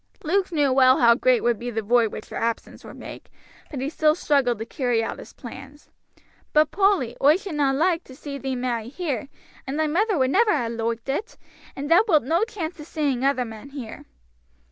Luke knew well how great would be the void which her absence would make, but he still struggled to carry out his plans. "But, Polly, oi should na loike to see thee marry here, and thy mother would never ha' loiked it, and thou wilt no chance of seeing other men here."